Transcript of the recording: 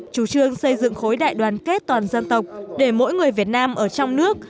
chủ trương xây dựng khối đại đoàn kết toàn dân tộc để mỗi người việt nam ở trong nước